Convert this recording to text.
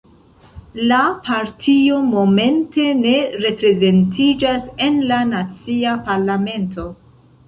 La partio momente ne reprezentiĝas en la nacia parlamento.